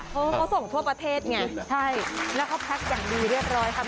เขาส่งทั่วประเทศไงใช่แล้วเขาพักอย่างดีเรียบร้อยค่ะ